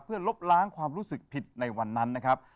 เพื่อลบล้างความรู้สึกผิดในวันนั้นนะครับ